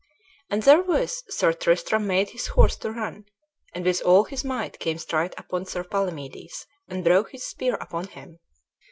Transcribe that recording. And therewith Sir Tristram made his horse to run, and with all his might came straight upon Sir Palamedes, and broke his spear upon him.